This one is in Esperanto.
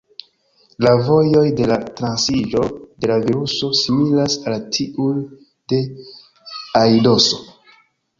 La vojoj de la transiĝo de la viruso similas al tiuj de aidoso.